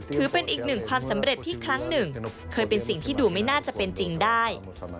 ถือเป็นอีกหนึ่งความสำเร็จที่ครั้งหนึ่งเคยเป็นสิ่งที่ดูไม่น่าจะเป็นจริงได้